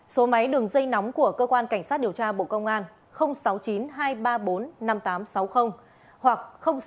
số máy đường dây nóng của cơ quan cảnh sát điều tra bộ công an sáu mươi chín hai trăm ba mươi bốn năm nghìn tám trăm sáu mươi hoặc sáu mươi chín hai trăm ba mươi hai một nghìn sáu trăm bảy